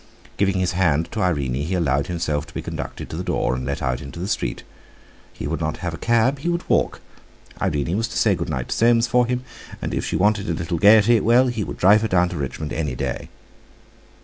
Giving his hand to Irene, he allowed himself to be conducted to the door, and let out into the street. He would not have a cab, he would walk, Irene was to say good night to Soames for him, and if she wanted a little gaiety, well, he would drive her down to Richmond any day.